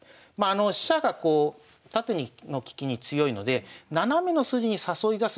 飛車がこう縦の利きに強いので斜めの筋に誘い出す